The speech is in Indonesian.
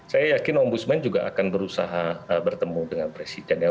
saya yakin om busman juga akan berusaha bertemu dengan presiden ya